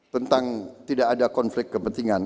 tentang tidak ada konflik kepentingan